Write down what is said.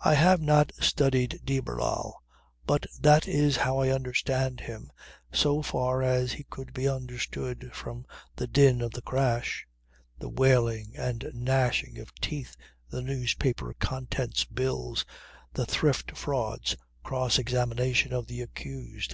I have not studied de Barral but that is how I understand him so far as he could be understood through the din of the crash; the wailing and gnashing of teeth, the newspaper contents bills, "The Thrift Frauds. Cross examination of the accused.